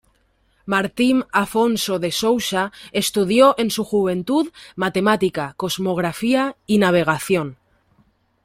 Martim Afonso de Sousa estudió en su juventud matemática, cosmografía y navegación.